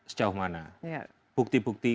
sejauh mana bukti bukti